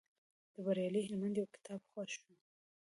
د بریالي هلمند یو کتاب خوښ شو.